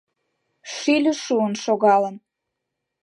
Шӱльӧ шуын шогалын.